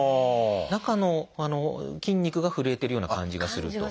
中の筋肉がふるえてるような感じがすると。